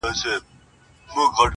په لوی لاس ځانته کږې کړي سمي لاري!!